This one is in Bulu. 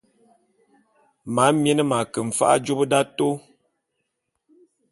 Mamien m'ake mfa'a jôp d'atôô.